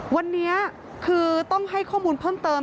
วันนี้คือต้องให้ข้อมูลเพิ่มเติม